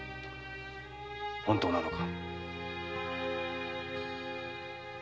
本当なのか？